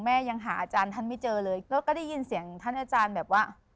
ยังหาอาจารย์ท่านไม่เจอเลยแล้วก็ได้ยินเสียงท่านอาจารย์แบบว่า